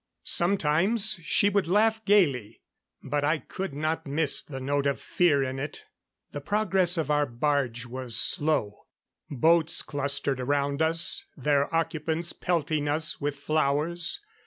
Sometimes she would laugh gayly; but I could not miss the note of fear in it. The progress of our barge was slow. Boats clustered around us, their occupants pelting us with flowers.